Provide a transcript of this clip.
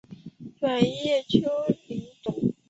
软叶茯苓菊